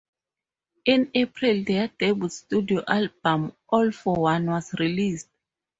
In April, their debut studio album "All for One" was released.